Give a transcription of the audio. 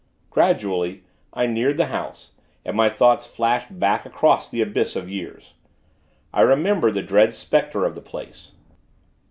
Gradually, I neared the House, and my thoughts flashed back across the abyss of years. I remembered the dread Specter of the Place.